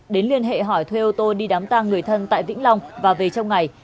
đến liên hệ hỏi thuê ô tô đi đám tang người thân tại vĩnh long và về trong ngày